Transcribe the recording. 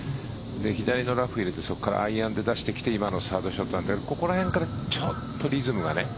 左のラフに入れてそこからアイアンで出してきて今のサードショットなのでここらへんからちょっとリズムが。